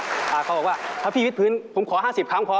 ล่าสุดนี่เขาบอกว่าถ้าพี่วิดพื้นผมขอ๕๐ครั้งพอ